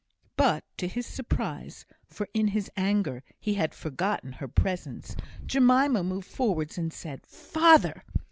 But to his surprise (for in his anger he had forgotten her presence) Jemima moved forwards, and said, "Father!"